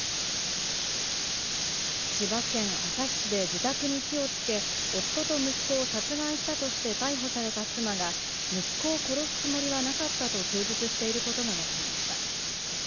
千葉県旭市で自宅に火をつけ、夫と息子を殺害したとして逮捕された妻が息子を殺すつもりはなかったと供述していることがわかりました。